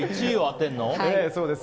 １位を当てるの？